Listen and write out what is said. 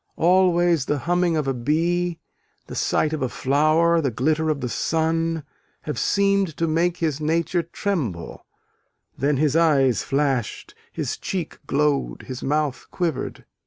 Always, the humming of a bee, the sight of a flower, the glitter of the sun, have "seemed to make his nature tremble: then his eyes flashed, his cheek glowed, his mouth quivered."